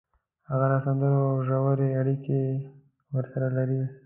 هغه له سندونو ژورې اړیکې ورسره لري